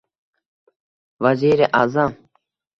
Vaziri a’zam